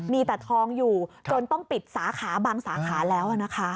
มีแต่ทองอยู่จนต้องปิดบางสาขาแล้ว